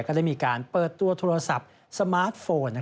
ก็ได้มีการเปิดตัวโทรศัพท์สมาร์ทโฟน